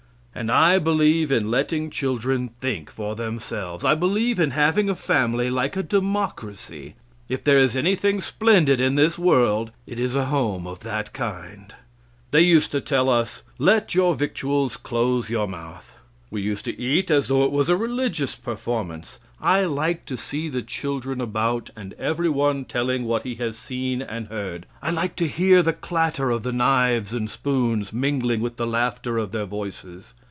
And I believe in letting children think for themselves. I believe in having a family like a democracy. If there is anything splendid in this world it is a home of that kind. They used to tell us, "Let your victuals close your mouth." We used to eat as though it was a religious performance. I like to see the children about, and every one telling what he has seen and heard. I like to hear the clatter of the knives and spoons mingling with the laughter of their voices.